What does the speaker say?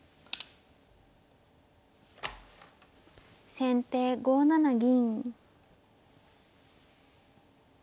先手５七銀。